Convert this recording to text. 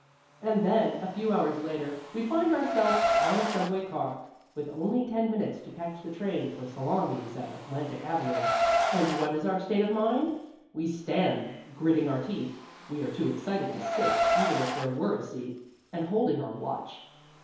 And then, a few hours later, we find ourself on a subway car with only ten minutes to catch the train for Salamis at Atlantic Avenue. And what is our state of mind? We stand, gritting our teeth (we are too excited to sit, even if there were a seat) and holding our watch.